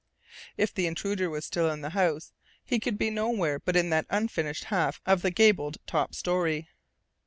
If the intruder was still in the house he could be nowhere but in that unfinished half of the gabled top story.